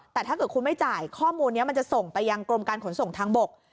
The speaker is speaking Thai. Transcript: แต่ถ้าเกิดคุณไม่จ่ายข้อมูลนี้มันจะส่งไปยังกรมการขนส่งทางบก